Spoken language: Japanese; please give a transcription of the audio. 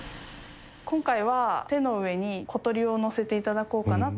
今回は、手の上に小鳥をのせていただこうかなと。